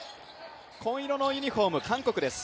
紺色のユニフォーム、韓国です。